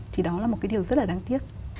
thì đó là một cái điều rất là đáng tiếc